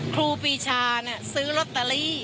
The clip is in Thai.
คุณปีชาซื้อรอต